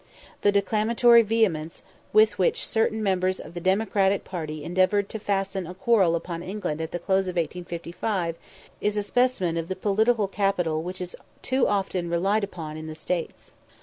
The declamatory vehemence with which certain members of the democratic party endeavoured to fasten a quarrel upon England at the close of 1855 is a specimen of the political capital which is too often relied upon in the States.